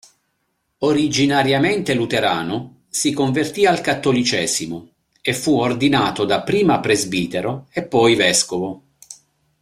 Originariamente luterano, si convertì al Cattolicesimo e fu ordinato dapprima presbitero e poi vescovo.